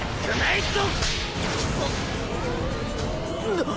なっ！